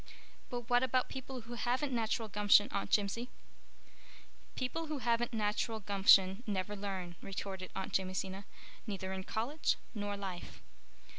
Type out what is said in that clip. "But what about people who haven't natural gumption, Aunt Jimsie?" "People who haven't natural gumption never learn," retorted Aunt Jamesina, "neither in college nor life.